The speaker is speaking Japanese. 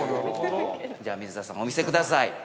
◆じゃあ、水田さんお見せください。